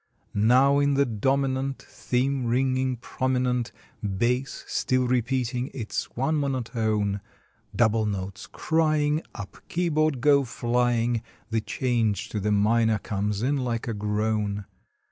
Now in the dominant Theme ringing prominent, Bass still repeating its one monotone, Double notes crying, Up keyboard go flying, The change to the minor comes in like a groan.